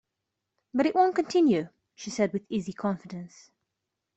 But it won't continue, she said with easy confidence.